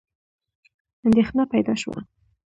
اندېښنه پیدا شوه.